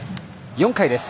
４回です。